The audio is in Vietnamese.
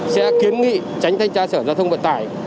sẽ kiến nghị tránh thanh tra sở giao thông vận tải